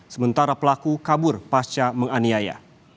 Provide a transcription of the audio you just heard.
sementara pelaku kabur pasca menganiaya